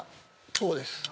こうです。